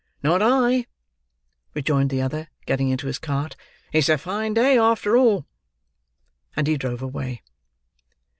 "Not I!" rejoined the other, getting into his cart. "It's a fine day, after all." And he drove away.